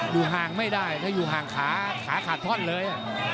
อยู่ห่างไม่ได้ถ้าอยู่ห่างขาขาขาดท่อนเลย